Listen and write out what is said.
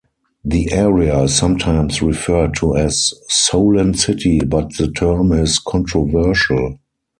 The area is sometimes referred to as Solent City but the term is controversial.